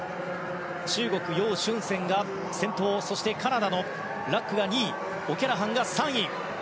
中国、ヨウ・シュンセンが先頭カナダのラックが２位オキャラハンが３位。